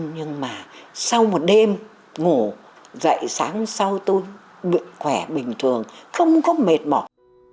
nhưng mà sau một đêm ngủ dậy sáng sau tôi khỏe bình thường không có mệt mỏi